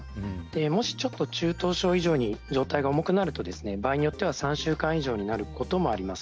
もしちょっと中等症以上に状態が重くなると、場合によっては３週間以上になることもあります。